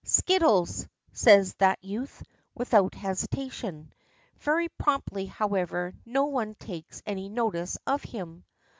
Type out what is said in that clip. "Skittles," says that youth, without hesitation. Very properly, however, no one takes any notice of him.